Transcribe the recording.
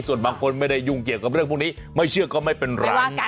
ส่วนบางคนไม่ได้ยุ่งเกี่ยวกับเรื่องพวกนี้ไม่เชื่อก็ไม่เป็นไร